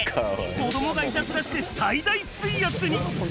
子どもがいたずらして最大水圧に。